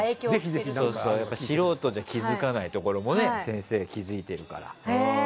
素人じゃ気づかないところも先生は気づいているから。